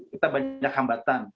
kita banyak hambatan